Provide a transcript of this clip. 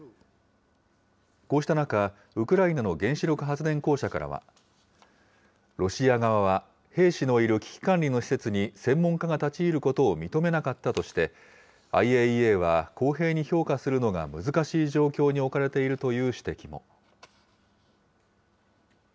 こうした中、ウクライナの原子力発電公社からは、ロシア側は兵士のいる危機管理の施設に専門家が立ち入ることを認めなかったとして、ＩＡＥＡは公平に評価するのが難しい状況に置かれているという指摘も。